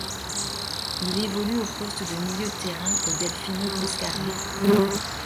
Il évolue au poste de milieu de terrain au Delfino Pescara.